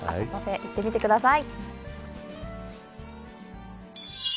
行ってみてください。